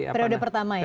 periode pertama ya